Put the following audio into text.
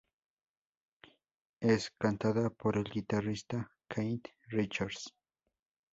Es cantada por el guitarrista Keith Richards.